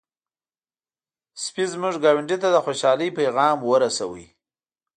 سپي زموږ ګاونډی ته د خوشحالۍ پيغام ورساوه.